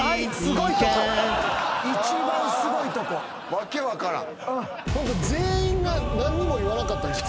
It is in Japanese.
訳分からん。